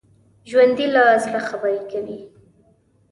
ژوندي له زړه خبرې کوي